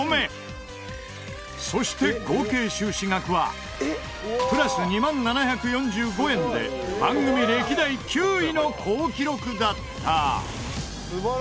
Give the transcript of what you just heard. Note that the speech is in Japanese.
そして合計収支額はプラス２万７４５円で番組歴代９位の好記録だった。